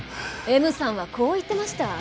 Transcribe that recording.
Ｍさんはこう言ってました。